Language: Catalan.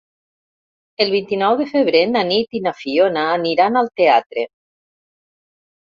El vint-i-nou de febrer na Nit i na Fiona aniran al teatre.